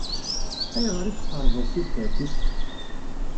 Ayɣer i tesxeṛbeḍ tibḥirt-is?